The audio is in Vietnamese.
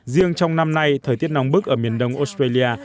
riêng trong năm nay thời tiết nóng bức ở miền đông australia